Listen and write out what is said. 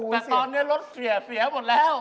แต่ตอนนี้รถเสียเสียหมดแล้ว